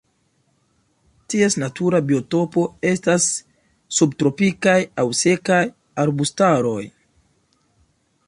Ties natura biotopo estas subtropikaj aŭ sekaj arbustaroj.